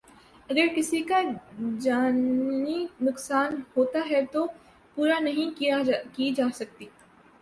اگر کسی کا جانی نقصان ہوتا ہے تو پورا نہیں کی جا سکتی